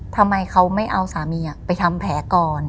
ทำไมเขาไม่เอาสามีไปทำแผลก่อน